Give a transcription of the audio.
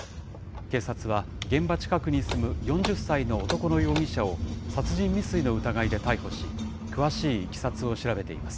警察は、現場近くに住む４０歳の男の容疑者を殺人未遂の疑いで逮捕し、詳しいいきさつを調べています。